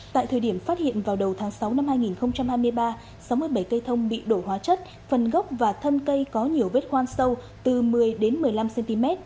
tại thời điểm phát hiện vào đầu tháng sáu năm hai nghìn hai mươi ba sáu mươi bảy cây thông bị đổ hóa chất phần gốc và thân cây có nhiều vết khoan sâu từ một mươi một mươi năm cm